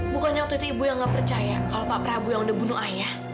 bukannya waktu itu ibu yang nggak percaya kalau pak prabowo yang udah bunuh ayah